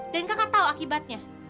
dan kakak tau akibatnya